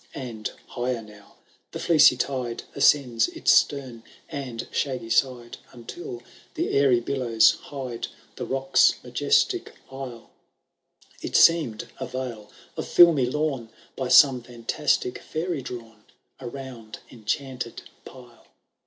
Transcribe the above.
And higher now the fleecy tide Ascends its stem and shaggy nde^ UntU the airy billows hide^ The rock*s majestic isle ; It seemed a yeil of filmy lawn. By some fimtastie fiuxy drawn* Around enchanted pile.